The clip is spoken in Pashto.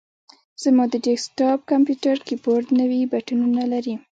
زما د ډیسک ټاپ کمپیوټر کیبورډ نوي بټنونه لري.